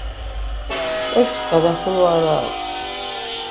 კოშკს გადახურვა არა აქვს.